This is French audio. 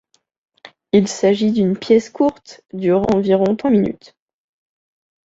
Il s'agit d'une pièce courte, durant environ trois minutes.